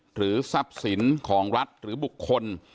หรือทรัพย์สินของรัฐหรือบุคคล